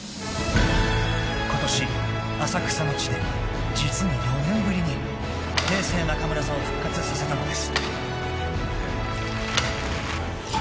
［ことし浅草の地で実に４年ぶりに平成中村座を復活させたのです］